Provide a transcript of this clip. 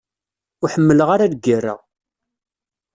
Ur ḥemmleɣ ara lgerra.